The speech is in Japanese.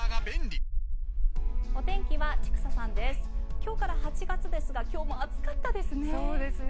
今日から８月ですが今日も暑かったですね。